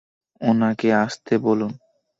উনাকে আসতে বলুন।